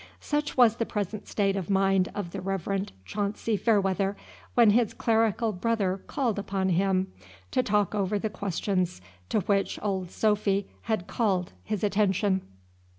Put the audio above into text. Such was the present state of mind of the Reverend Chauncy Fairweather, when his clerical brother called upon him to talk over the questions to which old Sophy had called his attention.